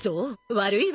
悪いわね。